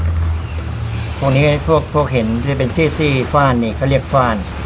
ตรงนี้พวกเห็นที่เป็นซี่ฟ่านนี่ก็เรียกฟ่าน